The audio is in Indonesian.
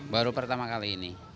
baru pertama kali ini